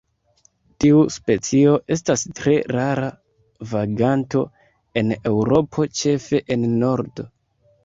Tiu specio estas tre rara vaganto en Eŭropo ĉefe en nordo.